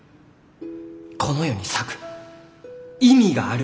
この世に咲く意味がある。